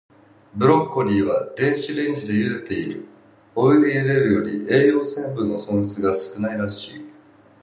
ブロッコリーは、電子レンジでゆでている。お湯でゆでるより、栄養成分の損失が少ないらしい。